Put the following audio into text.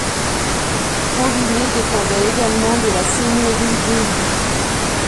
Franvillers dépendait également de la seigneurie d'Heilly.